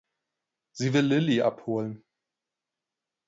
Sie will Lilli abholen.